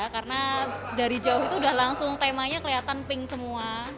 karena dari jauh itu udah langsung temanya keliatan pink semua